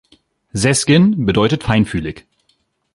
Sezgin bedeutet „feinfühlig“.